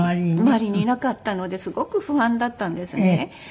周りにいなかったのですごく不安だったんですね。